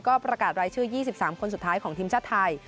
ก็ประกาศรายชื่อ๒๓คนสุดท้ายของทีมชาติไทย